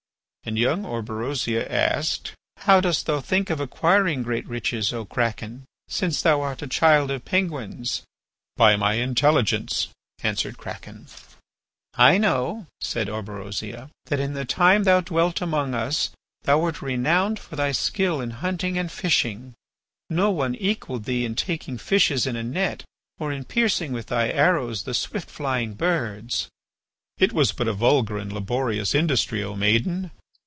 And young Orberosia asked: "How dost thou think of acquiring great riches, O Kraken, since thou art a child of Penguins?" "By my intelligence," answered Kraken. "I know," said Orberosia, "that in the time that thou dwelt among us thou wert renowned for thy skill in hunting and fishing. No one equalled thee in taking fishes in a net or in piercing with thy arrows the swift flying birds." "It was but a vulgar and laborious industry, O maiden.